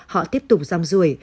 họ tiếp tục răm ruồi